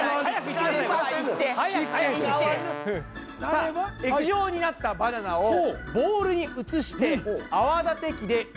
さあ液状になったバナナをボウルに移して泡だて器でよくかきまぜます。